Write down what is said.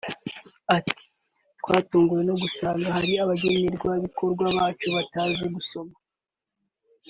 Ati “Twatunguwe no gusanga hari abagenerwa bikorwa bacu batazi gusoma